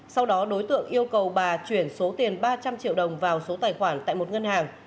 sau đó đối tượng yêu cầu bà chuyển số tiền ba trăm linh triệu đồng vào số tài khoản tại một ngân hàng